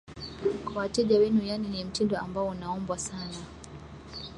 kwa wateja wenu yani ni mtindo ambao unaombwa sana